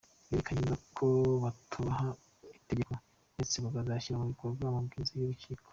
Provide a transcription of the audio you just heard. Berekanye neza ko batubaha itegeko, ndetse batazashyira mu bikorwa amabwiriza y’urukiko.